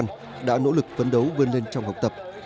đồng chí vương đình huệ đã nỗ lực phấn đấu vươn lên trong học tập